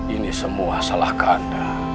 ini semua salahkan